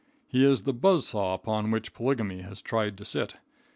He is the buzz saw upon which polygamy has tried to sit.